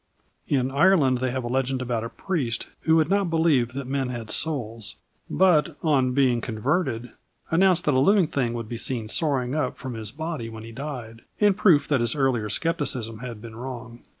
In Ireland they have a legend about a priest who had not believed that men had souls, but, on being converted, announced that a living thing would be seen soaring up from his body when he died in proof that his earlier scepticism had been wrong.